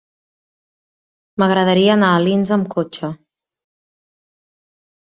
M'agradaria anar a Alins amb cotxe.